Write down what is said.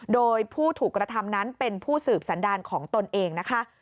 โดยผู้ถูกกระทำนั้นเป็นผู้สืบสันดารของตนเองนะคะ